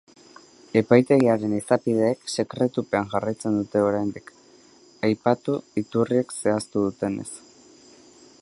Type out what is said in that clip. Epaitegiaren izapideek sekretupean jarraitzen dute oraindik, aipatu iturriek zehaztu dutenez.